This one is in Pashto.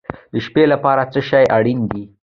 د شپې لپاره څه شی اړین دی؟